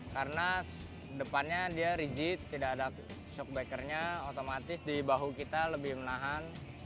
karena depannya dia rigid tidak ada shockbackernya otomatis di bahu kita lebih menahan